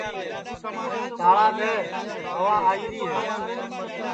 تاݪا دؔے ہوا آئیری ہے